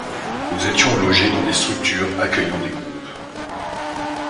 Nous étions logés dans des structures accueillant des groupes